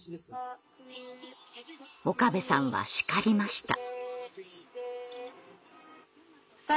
岡部さんは叱りました。